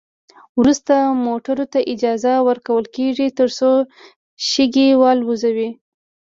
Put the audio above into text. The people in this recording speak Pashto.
وروسته موټرو ته اجازه ورکول کیږي ترڅو شګې والوزوي